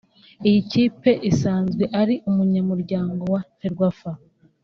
Iyi kipe isanzwe ari umunyamuryango wa Ferwafa